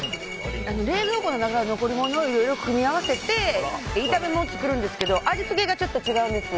冷蔵庫の中の残り物を組み合わせて炒め物を作るんですけど味付けがちょっと違うんです。